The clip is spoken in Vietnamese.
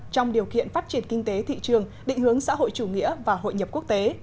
trong điều kiện phát triển kinh tế thị trường định hướng xã hội chủ nghĩa và hội nhập quốc tế